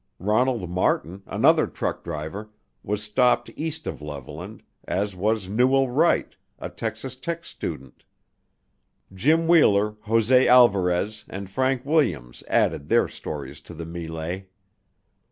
Ronald Martin, another truck driver, was stopped east of Levelland, as was Newell Wright, a Texas Tech student. Jim Wheeler, Jose Alvarez and Frank Williams added their stories to the melee.